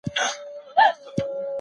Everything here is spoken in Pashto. څه شی د کیفیت لرونکي ښوونې اساس دی؟